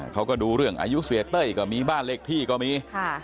เขาก็ดูเรื่องอายุเสียเต้ยก็มีบ้านเลขที่ก็มี